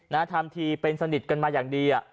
ทำทีเป็นสนิทกันมาอย่างดีอ่ะ